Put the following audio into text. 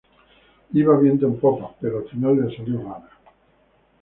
Iba viento en popa pero al final le salió rana